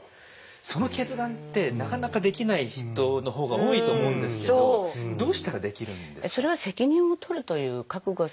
その決断ってなかなかできない人の方が多いと思うんですけどどうしたらできるんですか？